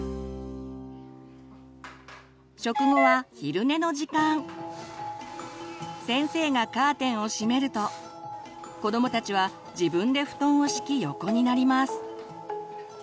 食後は先生がカーテンをしめると子どもたちは自分で布団を敷き横になります。